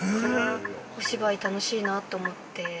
お芝居、楽しいなと思って。